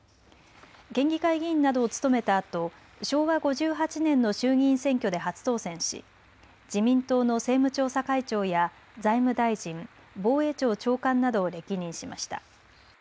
県議会議員などを務めたあと昭和５８年の衆議院選挙で初当選し、自民党の政務調査会長や財務大臣、防衛庁長官などを歴任しました。